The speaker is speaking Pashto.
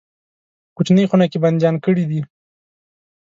کوچنۍ خونه کې بندیان کړي دي.